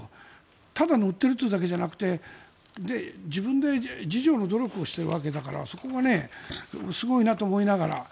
ただ乗っているだけではなくて自分で自助の努力をしているわけだからそこがすごいなと思いながら。